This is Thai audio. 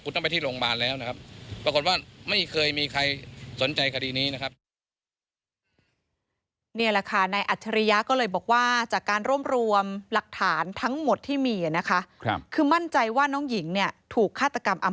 คุณต้องไปที่โรงพยาบาลแล้วนะครับ